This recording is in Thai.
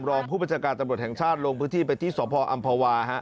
รองผู้บัญชาการตำรวจแห่งชาติลงพื้นที่ไปที่สพออำภาวา